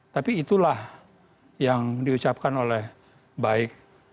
tapi itulah yang diucapkan oleh baik